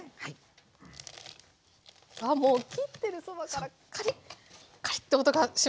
あもう切ってるそばからカリッカリッて音がします。